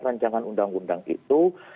rancangan undang undang itu